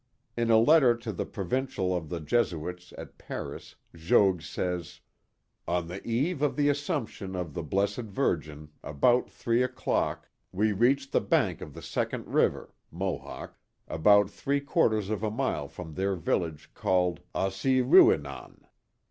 In a letter to the Provincial of the Jesuits, at Paris, Jogues says: On the eve of the Assumption of the Blessed Virgin, about 3 o'clock, we reached the bank of the second river (Mohawk), about three quarters of a mile from their village called Os se ru e non.